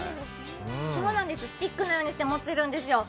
スティックのようにして持てるんですよ。